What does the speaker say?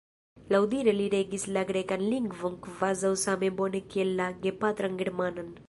Laŭdire li regis la grekan lingvon kvazaŭ same bone kiel la gepatran germanan.